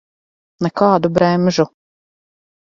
Nekādu bremžu.